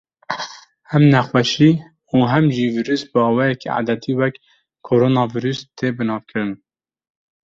Hem nexweşî û hem jî vîrus bi awayekî edetî wek “koronavîrus” tê binavkirin.